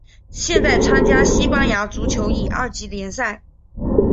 现在参加西班牙足球乙二级联赛。